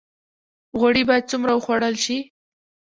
غوړي باید څومره وخوړل شي؟